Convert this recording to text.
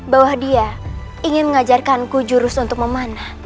bahwa dia ingin mengajarkanku jurus untuk memanah